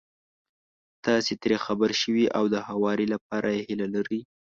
تاسې ترې خبر شوي او د هواري لپاره يې هيله لرئ.